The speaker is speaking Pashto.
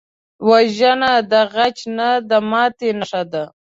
وژنه د غچ نه، د ماتې نښه ده